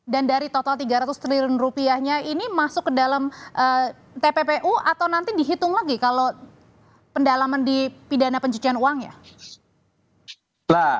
dan dari total tiga ratus triliun rupiahnya ini masuk ke dalam tppu atau nanti dihitung lagi kalau pendalaman di pidana pencucian uang ya